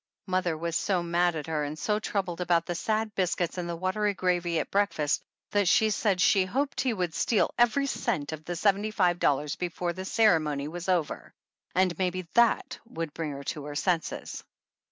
Mother was so mad at her, and so troubled about the sad biscuits and the watery gravy at breakfast that she said she hoped he would steal every cent of the seventy five dollars before the ceremony was over, and maybe that would bring her to her senses.